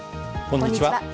こんにちは。